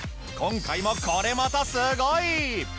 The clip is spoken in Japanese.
今回もこれまたすごい！